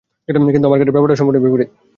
কিন্তু আমার ক্ষেত্রে ব্যাপারটা সম্পূর্ণ বিপরীত।